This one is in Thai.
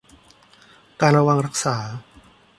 การระวังรักษา